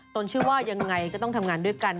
นชื่อว่ายังไงก็ต้องทำงานด้วยกัน